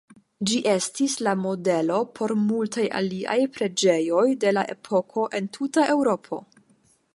Ĝi estis la modelo por multaj aliaj preĝejoj de la epoko en tuta Eŭropo.